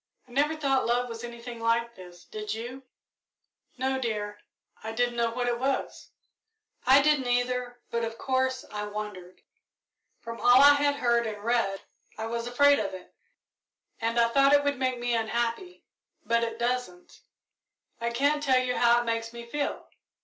"I never thought love was anything like this, did you?" "No, dear I didn't know what it was." "I didn't, either, but, of course, I wondered. From all I had heard and read I was afraid of it, and I thought it would make me unhappy, but it doesn't. I can't tell you how it makes me feel.